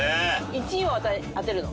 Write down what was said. １位を当てるの？